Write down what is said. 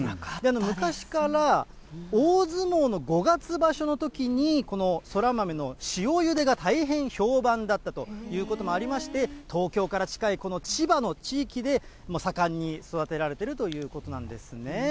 昔から大相撲の５月場所のときに、このそら豆の塩ゆでが大変評判だったということもありまして、東京から近い、この千葉の地域で盛んに育てられているということなんですね。